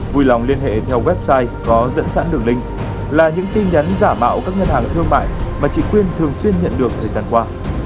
vui lòng liên hệ theo website có dẫn dãn đường link là những tin nhắn giả mạo các ngân hàng thương mại mà chị quyên thường xuyên nhận được thời gian qua